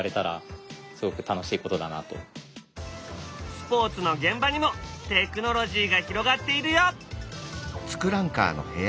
スポーツの現場にもテクノロジーが広がっているよ。